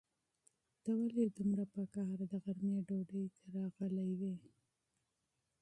ته ولې دومره په غوسه د غرمې ډوډۍ ته راغلی وې؟